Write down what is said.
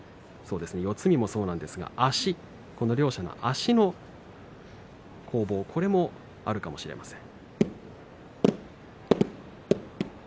四つ身もそうですが両者の足の攻防、これもあるかもしれません。